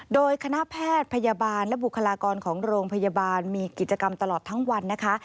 โดยคณะแพทย์พยาบาลและบุคลากรของโรงพยาบาลมีกิจกรรมตลอดทั้งวันนะคะ